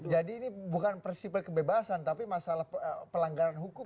jadi ini bukan peristiwa kebebasan tapi masalah pelanggaran hukum